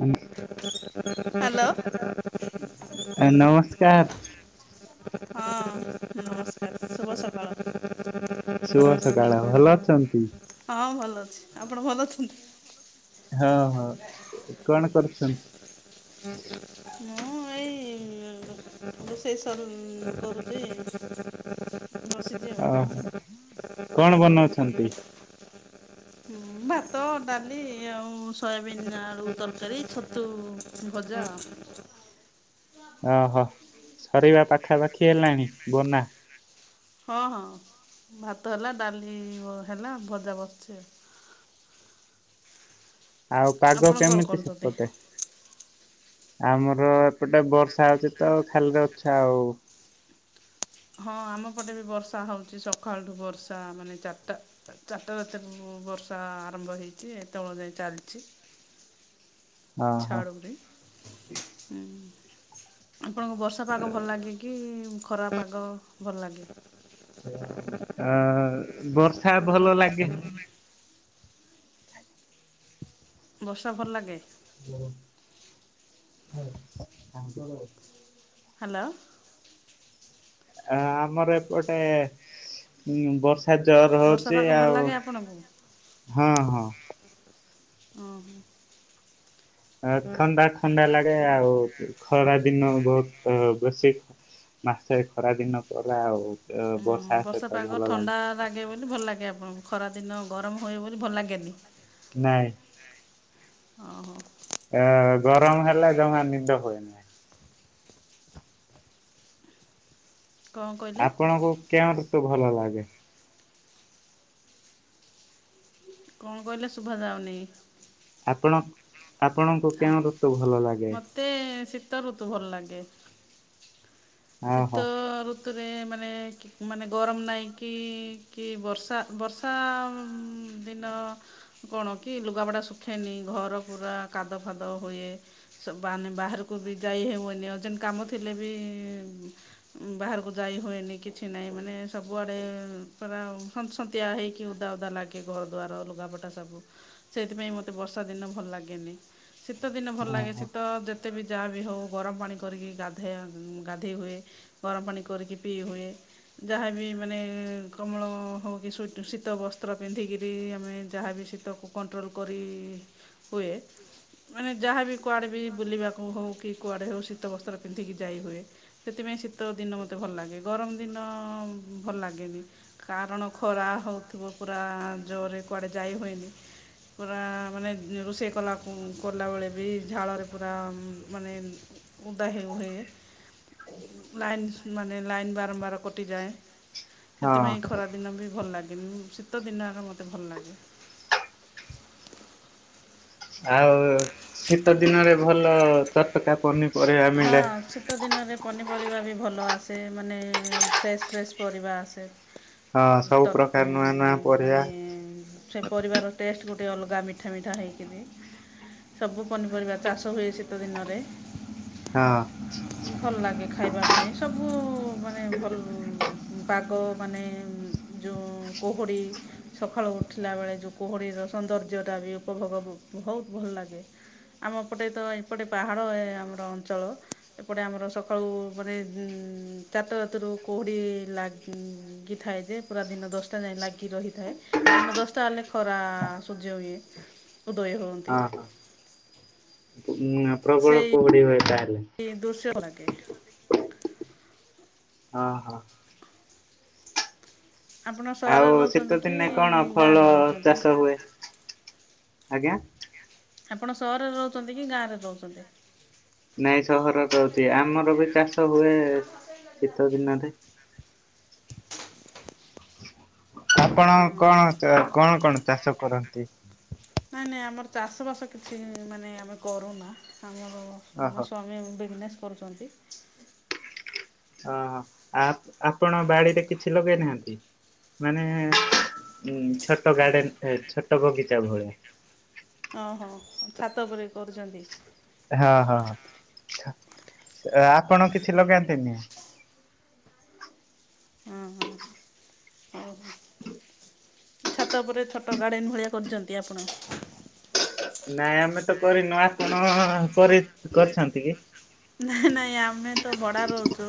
ଆ- hello. ନମସ୍କାର ହଁ ନମସ୍କାର ଶୁଭ ସକାଳ। ଶୁଭ ସକାଳ ଭଲ ଅଛନ୍ତି। ହଁ ଭଲ ଅଛି ଆପଣ ଭଲ ଅଛନ୍ତି? ହଁ ହଁ କଣ କରୁଚନ୍ତି? ମୁଁ ଏଇ ରୋଷେଇ ସ କରୁଚି। ବଶି ଓହୋ କଣ ବନଉଛନ୍ତି? ହୁଁ ଭାତ, ଡାଲି ଆଉ ସୋୟାବିିନ ଆଳୁ ତରକାରୀ ଛତ୍ ତୁ ଭଜା। ଓହୋ ସରିବା ପାଖାପାଖି ହେଲାଣି ବନା? ହଁ ହଁ ଭାତ ହେଲା ଡାଲି ହେଲା ଭଜା ବସିଛି ଆଉ। ଆଉ ପାଗ ଆପଣ କଣ କେମିତି କରୁଛନ୍ତି? ସେପଟେ? ଆମର ଏପଟେ ବର୍ଷା ହଉଛି ତ ଖାଲି [unintelligible] ହଉ। ହଁ ଆମ ପଟେ ବି ବର୍ଷା ହଉଛି ସକାଳଠୁ ବର୍ଷା ମାନେ ଚାରିଟା। ଚାରିଟା ରାତିରୁ ବର୍ଷା ଆରମ୍ଭ ହେଇଚି ଏତେବେଳ ଯାଏ ଚାଲିଚି। ଓହୋ। ଛାଡ଼ୁରି ହୁଁ। ଆପଣଙ୍କୁ ବର୍ଷା ପାଗ ଭଲ ଲାଗେ କି ଖରା ପାଗ ଭଲ ଲାଗେ? ଆ ବର୍ଷା ଭଲ ଲାଗେ। ବର୍ଷା ଭଲ ଲାଗେ। ହାଲୋ ହଁ ଅଞ୍ଚଳ। ହ୍ୟାଲୋ। ଆ ଆମର ଏପଟେ ବର୍ଷା ଆ ଜର ବର୍ଷା ହଉଛି ପାଗ ଭଲ ଆଉ। ଲାଗେ ଆପଣଙ୍କୁ ହଁ ହଁ। ଅ ହଁ। ଅ ଥଣ୍ଡା ଥଣ୍ଡା ଲାଗେ ଆଉ ଖରା ଦିନ ବହୁତ ବେଶୀ ଖ ମାସେ ଖରା ଦିନ କଲା ଆଉ ଏ ବର୍ଷା ସହିତ ପାଗ ଭଲ ଲାନି। ଥଣ୍ଡା ଲାଗେ ବୋଲି ଭଲ ଲାଗେ ଆପଣଙ୍କୁ ଖରାଦିନ ଗରମ ହୁଏ ବୋଲି ଭଲ ଲାଗେନି। ନାଇଁ। ଅଁ ହ। ଅ ଗରମ ହେଲେ ଜମା ନିଦ ହୁଏନା। କ'ଣ କହିଲେ ଆପଣଙ୍କୁ କେଉଁ ଋତୁ ଭଲ ଲାଗେ? କଣ କହିଲେ? ଶୁଭା ଯାଉନି। ଆପଣ ଆପଣଙ୍କୁ ଆ କେଉଁ ଋତୁ ଭଲ ଲାଗେ ମତେ ଶୀତ ଋତୁ ଭଲ ଲାଗେ। ଓହୋ ଶୀତ ଋତୁରେ ମାନେ ମାନେ ଗରମ ନାହିଁ କି, କି ବର୍ଷା ବର୍ଷା ଦିନ କଣ କି ଲୁଗାପଟା ଶୁଖେନି, ଘର ପୁରା କାଦ ଫାଦ ହୁଏ। ମାନେ ବାହାରକୁ ବି ଯାଇ ହୁଏନି, ଅର୍ଜେଣ୍ଟ କାମ ଥିଲେ ବି ବାହାରକୁ ଯାଇ ହୁଏନି କିଛି ନାହିଁ ମାନେ ସବୁଆଡ଼େ ପରା ସନ୍ତ ସନ୍ତିଆ ହେଇକି ଓଦା ଓଦା ଲାଗେ। କି ଘର ଦ୍ୱାର, ଲୁଗାପଟା ସବୁ, ସେଇଥି ପାଇଁ ମତେ ବର୍ଷା ଦିନ ଭଲ ଲାଗେନି। ଶୀତ ଦିନେ ଭଲ ଲାଗେ, ଓହୋ। ଶୀତ ଯେତେ ବି ଯାହା ବି ହଉ ଗରମ ପାଣି କରିକି ଗାଧେଇ ଧେଇ ହୁଏ, ଗରମ ପାଣି କରିକି ପିଇ ହୁଏ। ଯାହାବି ମାନେ କମଳ ହଉ କି ସ୍ୱିଟ ଶୀତ ବସ୍ତ୍ର ପିନ୍ଧିକିରି ଆମେ ଯାହାବି ଶୀ ତକୁ କଣ୍ଟ୍ରୋଲ୍ କରି ହୁଏ। ମାନେ ଯାହାବି କୁଆଡେ ବି ବୁଲିବାକୁ ହଉ, କି କୁଆଡେ ହଉ ଶୀତ ବସ୍ତ୍ର ପିନ୍ଧିକି ଯାଇ ହୁଏ। ସେଥିପାଇଁ ଶୀତ ଦିନ ମୋତେ ଭଲ ଲାଗେ, ଗରମ ଦିନ ଭଲ ଲାଗେନି। କାରଣ ଖରା ହଉଥିବ ପୁରା ଜୋରରେ କୁଆଡ଼େ ଯାଇ ହୁଏନି। ପୁରା ମାନେ ରୋଷେଇ କଲାଖୁଁ କଲାବେଳେ ବି ଝାଳରେ ପୁରା ମାନେ ଓଦା ହେଇ ଭଳି ଲାଇନ୍ ମାନେ ଲାଇନ୍ ବାରମ୍ବାର କଟିଯାଏ, ହଁ ସେଥିପାଇଁ ଖରା ଦିନ ବି ଭଲ ଲାଗେନି। ଶୀତ ଦିନ ଆମ ମୋତେ ଭଲ ଲାଗେ। ଆଉ, ଶୀତ ଦିନରେ ଭଲ ତଟକା ପନି ହଁ, ଶୀ ତ ଦିନରେ ପନିପରିବା ବି ଭଲ ଆସେ, ମାନେ ଫ୍ରେଶ୍ ଫ୍ରେଶ୍ ପରିବା ଆସେ। ହଁ ସବୁ ଟତ୍ ପ୍ରକାର ଉଁ ନୂଆ ନୂଆ ପରିବା ମାନେ ସେ ପରିବାର ଟେଷ୍ଟ ଗୋଟେ ଅଲଗା ମିଠା ମିଠା ହେଇକିରି। ସବୁ ପନିପରିବା ଚାଷ ହୁଏ ଶୀତ ଦିନରେ। ହଁ। ଭଲ ଲାଗେ ଖାଇବା ପାଇଁ, ସବୁ ମାନେ ଭଲ ପାଗ ମାନେ ଯୋଉ କୋହୋଡି ସକାଳୁ ଉଠିଲା ବେଳେ ଯୋଉ କୁହୁଡ଼ିର ସୌନ୍ଦର୍ଯ୍ୟତା ବି ଉପଭୋଗ [unintelligible] ବହୁତ ଭଲ ଲାଗେ। ଆମ ଏପଟେ ତ ଏପଟେ ପାହାଡ଼ ଏ ଆମର ଅଞ୍ଚଳ। ଏପଟେ ଆମର ସକାଳୁ ମାନେ ଉଁ ଚାରିଟା ରାତିରୁ କୁହୁଡ଼ି ଲା ଗି ଥାଏ ଯେ ପୁରା ଦିନ ଦଶଟା ଯାଏଁ ଲାଗି ରହିଥାଏ। ଦିନ ଦଶଟା ହେଲେ ଖରା ସୂର୍ଯ୍ୟ ଉଁଏ, ଉଦୟ ହୁଅନ୍ତି। ଉଁ ପ୍ରବଳ ସେଇ କୁହୁଡି ହୁଏ ତାହେଲେ। ଦୃଶ୍ୟ ଲାଗେ। ଅ ହ। ଆପଣ ସହରରେ ଆଉ ରହୁଛନ୍ତି ଶୀତ କି ଦିନେ କଣ ଫଳ ଗାଁରେ ରହୁଛନ୍ତି? ଚାଷ ହୁଏ? ଆଜ୍ଞା? ଆପଣ ସହରରେ ରହୁଛନ୍ତି କି ଗାଁରେ ରହୁଛନ୍ତି? ନାଇଁ ସହରର ରହୁଛି, ଆମର ବି ଚାଷ ହୁଏ ଶୀତ ଦିନରେ। ଆପଣ ଓହୋ କଣ ଚା କଣ କଣ ଚାଷ କରନ୍ତି? ନାଇଁ ନାଇଁ ଆମର ଚାଷ ବାସ କିଛି ମାନେ ଆମେ କରୁନା ଆମର। ଓହୋ ମୋ ସ୍ୱାମୀ ବିଜନେସ୍ କରୁଛନ୍ତି। ଓହୋ ଆପଣ ବାଡିରେ କିଛି ଲଗେଇନାହାନ୍ତି ମାନେ। ଉଁ ଛୋଟ ଗାର୍ଡେନ ଛୋଟ ବଗିଚା ଭଳିଆ। ଓହୋ ଛାତ ଉପରେ କରୁଛନ୍ତି। ହଁ ହଁ ଆପଣ କିଛି ଲଗାନ୍ତିନି। ଅଁ ହଁ ଓହୋ। ଛାତ ଉପରେ ଛୋଟ ଗାର୍ଡେନ୍ ଭଳିଆ କରିୁଛନ୍ତି ଆପଣ। ନାଇଁ ଆମେ ତ କରିନୁ ଆପଣ କରି କରିଛନ୍ତି କି? ହେଁ ନାଇଁ ଆମେ ତ ଭଡା ରହୁଛୁ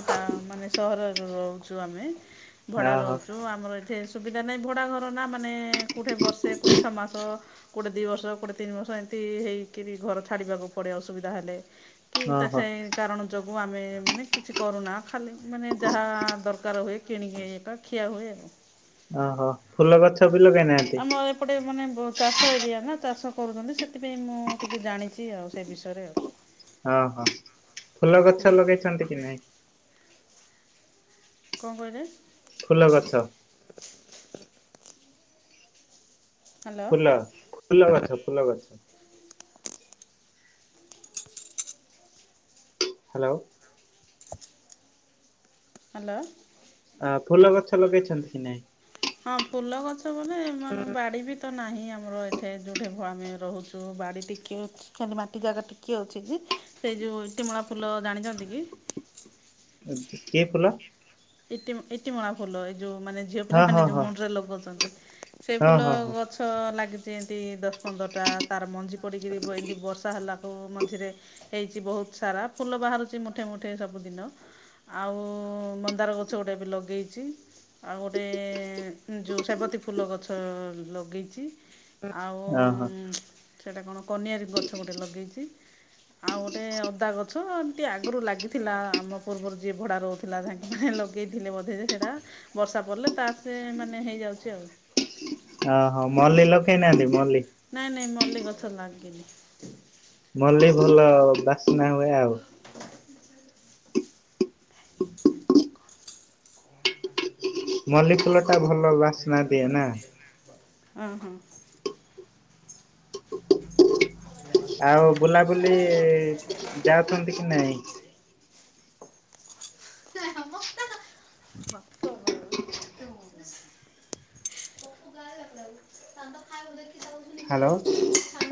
ମାନେ ସହରରେ ରହୁଛୁ ଆମେ। ଭଡ଼ା ଓହୋ ରହୁଛୁ ଆମର ଏଠି ସୁବିଧା ନାହିଁ ଭଡ଼ା ଘର ନା ମାନେ କେଉଁଠି ବର୍ଷେ କୋଉଠେ ଛଅ ମାସ। ଗୋଟେ ଦିଇ ବର୍ଷ କୋଟେ ତିନି ବର୍ଷ ଏମିତି ହେଇକିରି ଘର ଛାଡିବାକୁ ପଡେ ଅସୁବିଧା ହେଲେ। କି ତା ଓହୋ ସେହି କାରଣ ଯୋଗୁଁ ଆମେ ମାନେ କିଛି କରୁନା ଖାଲି ମାନେ ଯାହା ଦରକାର ହୁଏ। କିଣି ଆଣିକି ବା ଖିଆ ହୁଏ। ଓହୋ ଫୁଲ ଗଛ ବି ଲଗେଇନାହାନ୍ତି। ଆମ ଏପଟେ ମାନେ ଚାଷ ଏରିଆନା ଚାଷ କରୁଚନ୍ତି ସେଥିପାଇଁ ମୁଁ ଟିକେ ଜାଣିଚି ସେ ବିଷୟରେ। ଓ ହୋ ଫୁଲ ହୁଁ ଗଛ ଲଗେଇଛନ୍ତି କି ନାଇଁ। କଣ କହିଲେ। ଫୁଲ ଗଛ। ହ୍ୟାଲୋ ଫୁଲ ଫୁଲ ଗଛ ଫୁଲ ଗଛ। ହ୍ୟାଲୋ। ହ୍ୟାଲୋ। ଆ ଫୁଲ ଗଛ ଲଗେଇଛନ୍ତି କି ନହିଁ। ହଁ ଫୁଲ ଗଛ ବୋଲେ ମାନେ ବାଡି ବି ତ ନାହିଁ ଆମର ଏଠେ ଯେଉଁଠି ଆମେ ରହୁଛୁ ବାଡ଼ି ଟିକେ ଅଛି। ସେତି ମାଟି ଜାଗା ଟିକିଏ ଅଛି କି ସେଇ ଯୋଉ ଟିମଣା ଫୁଲ ଜାଣିଛନ୍ତି କି? କିଏ ଫୁଲ। ଇ ଇ ଟିମଣା ଫୁଲ ଏଇ ଯୋଉ ମାନେ ଝିଅ ହଁ ପିଲାମାନେ ହଁ ଯୋଉ ହଁ ମୁଣ୍ଡରେ ଲଗୋଉ ଛନ୍ତି ସେଇ ହଁ ଫୁଲ ହଁ ହଁ ଗଛ। ଗଛ ଲାଗିଛି ଏମିତି ଦଶ ପନ୍ଦରଟା ତାର ମଞ୍ଜି ପଡ଼ିକିରି ଏମିତି ବର୍ଷା ହେଲା। ଆଉ ମଝିରେ ହେଇଛି ବହୁତ ସାରା ଫୁଲ ବାହାରୁଛି ମୁଠେ ମୁଠେ ସବୁଦିନ। ଆଉ ମନ୍ଦାର ଗଛ ଗୁଟେ ଏବେ ଲଗେଇଛି। ଆଉ ଗୋଟେ ଯୋଉ ସେବତୀ ଫୁଲ ଗଛ ଲଗେଇଛି ଆଉ। ଓ ହୋ। ସେଇଟା କଣ କନିଆର ଗଛ ଗୋଟେ ଲଗେଇଛି। ଆଉ ଗୋଟେ ଅଦା ଗଛ ଏମିତି ଆଗରୁ ଲାଗିଥିଲା ଆମ ପୂର୍ବରୁ ଯିଏ ଭଡା ରହୁଥିଲା। ହେଁ ଲଗେଇଥିଲେ ବୋଧେ ଯେ ସେଇଟା ବର୍ଷା ପଡ଼ିଲେ ତା ସେ ମାନେ ହେଇଯାଉଛି ଆଉ। ଓହୋ ମଲ୍ଲୀ ଲଗେଇନାହାନ୍ତି ମଲ୍ଲୀ। ନାଇଁ ନାଇଁ ମଲ୍ଲିଗଛ ଲାଗିନି। ମଲ୍ଲି ଭଲ ବାସ୍ନା ହୁଏ ଆଉ। ମଲ୍ଲି ଫୁଲ ଟା ଭଲ ଲସ୍ନା ଦିଏ ନା। ଅ ହଁ। ହ ଆଉ ବୁଲାବୁଲି ଯାଉଛନ୍ତି କି ନାଇଁ। [unintelligible] [unintelligible] ହାଲୋ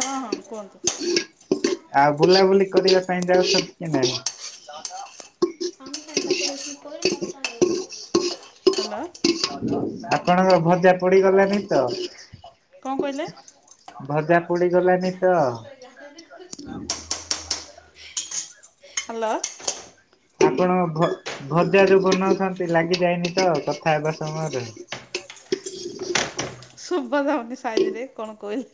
ହଁ ହଁ କୁହନ୍ତୁ ଆଉ ବୁଲାବୁଲି କରିବା ପାଇଁ ଯାଉଛନ୍ତି କି ନାହିଁ। [unintelligible] [unintelligible] ହାଲୋ ଆପଣଙ୍କ ଭଜା ପୋଡ଼ି ଗଲାନି ତ। କଣ କଇଲେ। ଭଜା ପୋଡ଼ି ଗଲାନି। ହାଲୋ। ଆପଣ ଭ ଭଜା ଯୋଉ ବନାଉଛନ୍ତି ଲାଗିଯାଇନି ତ କଥା ହେବା ସମୟରେ। ଶୁବା ଯାଉନି ସାଇଜିରେ କଣ କଇଲେ।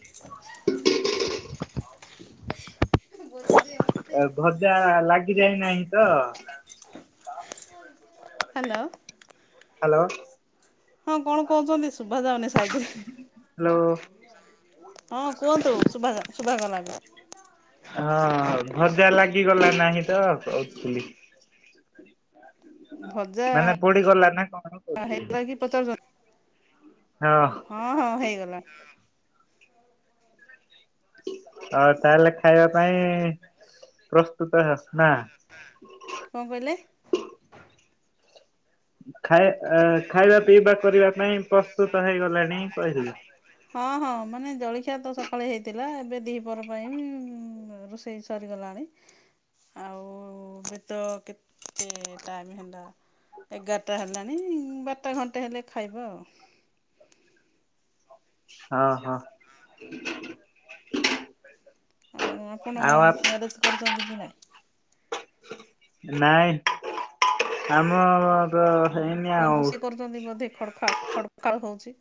[unintelligible] ଏ ଭଜା ଲାଗିଯାଇନାହିଁ ତ। ହାଲୋ। ହାଲୋ। ହଁ କଣ କଉଚନ୍ତି ଶୁବା ଯାଉନି ସାଇଜିରେ। ହ୍ୟାଲୋ। ହଁ କୁହନ୍ତୁ ଶୁଭା ଶୁଭାଗଲା ଏବେ। ହଁ ଭଜା ଲାଗିଗଲା ନାଇଁ ତ କହୁଥିଲି। ଭଜା ମାନେ ପୋଡିଗଲା ନା କଣ କହୁଥିଲି ହେଇଗଲା କି ପଚାରୁଚନ୍ତି। ହଁ ହଁ ହେଇଗଲା। ଆଉ ତାହେଲେ ଖାଇବା ପାଇଁ ପ୍ରସ୍ତୁତ ନା? ଆଁ କଣ କଇଲେ। ଖାଇ ଖାଇବା ପିଇବା କରିବା ପାଇଁ ପ୍ରସ୍ତୁତ ହେଇଗଲାଣି କହିଲି। ହଁ ହଁ ମାନେ ଜଳିଖିଆ ତ ସକାଳେ ହେଇଥିଲା ଏବେ ଦିଇପହର ପାଇଁ ଉଁ ହଁ ରୋଷେଇ ସରିଗଲାଣି। ଆଉ କେତ କେତେ ଟାଇମ୍ ହେଲା ଏଗାରାଟା ହେଲାଣି। ନାଇଁ ବାରଟା ଘଣ୍ଟେ ହେଲେ ଖାଇବା ଆଉ। ହଁ ହଁ। ଆଉ ଆପଣ ଆଉ ମ୍ୟାରେଜ୍ କରିଚନ୍ତି କି ନାଇଁ? ନାଇଁ ଆମର ତ ହେଇନି ଆଉ। [unintelligible] ବଧେ ଖଡ଼ ଖଡ଼କା ଖଡ଼ ଖଡ଼ ହଉଚି।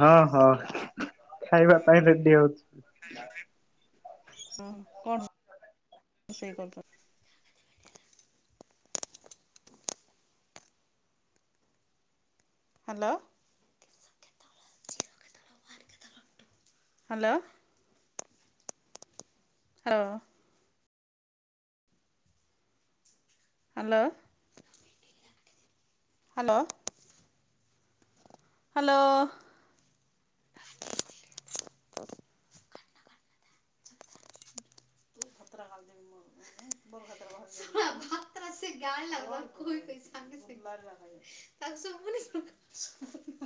ହଁ ହଁ ଖାଇବା ପାଇଁ ରେଡି ହଉଚି। ଖାଇବା ପାଇଁ ହଁ କଣ ରୋଷେଇ କରୁଚନ୍ତି। ହାଲୋ। ହାଲୋ। ହଁ। ହାଲୋ। ହାଲୋ। ହାଲୋ। କୋତରା ହଅନି। [inaudible] ଆଉ ଶୁବୁନି ଶୁ